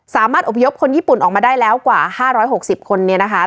อบพยพคนญี่ปุ่นออกมาได้แล้วกว่า๕๖๐คนเนี่ยนะคะ